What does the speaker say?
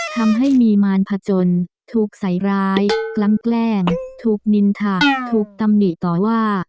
ทำให้มีมารพจนถูกใส่ร้ายกลั้นแกล้งถูกนินทะถูกตำหนิต่อว่า